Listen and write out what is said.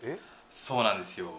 そうなんですよ